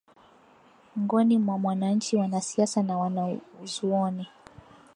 ngoni mwa mwananchi wanasiasa na wanazuoni